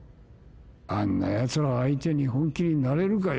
あんなヤツら相手に本気になれるかよ。